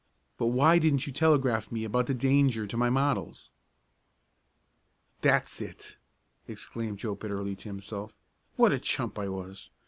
But why didn't you telegraph me about the danger to my models?" "That's it!" exclaimed Joe bitterly to himself. "What a chump I was.